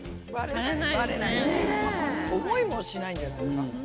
思いもしないんじゃないですか？